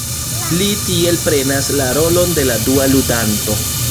Li tiel prenas la rolon de la dua ludanto.